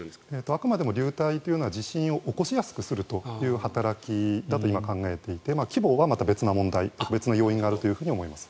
あくまでも流体というのは地震を起こしやすくする働きだと今、考えていて規模は別の問題別の要因があると考えています。